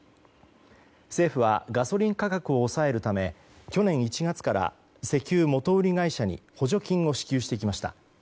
政府はガソリン価格を抑えるため去年１月から石油元売り会社に補助金を支給してきました。